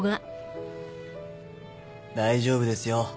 大丈夫ですよ。